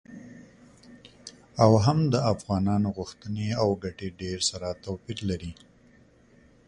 او هم د افغانانو غوښتنې او ګټې ډیر سره توپیر لري.